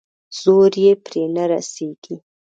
زور يې پرې نه رسېږي.